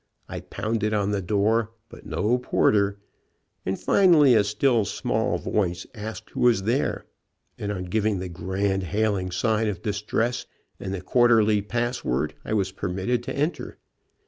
I pounded on the door, but no porter, and finally a still, small voice asked who was there, and on giving the grand hailing sign of distress, and the INTERRUPTED WEDDING TRIP quarterly password, I was permitted to enter.